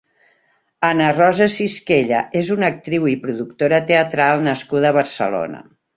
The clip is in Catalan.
Anna Rosa Cisquella és una actriu i productora teatral nascuda a Barcelona.